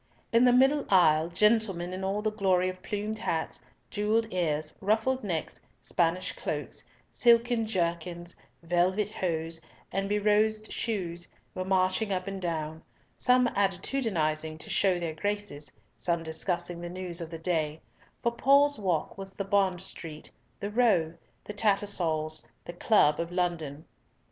In the middle aisle, gentlemen in all the glory of plumed hats, jewelled ears, ruffed necks, Spanish cloaks, silken jerkins, velvet hose, and be rosed shoes, were marching up and down, some attitudinising to show their graces, some discussing the news of the day, for "Paul's Walk" was the Bond Street, the Row, the Tattersall's, the Club of London.